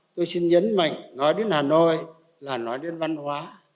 tôi xin nhấn mạnh nói đến hà nội là nói đến văn hóa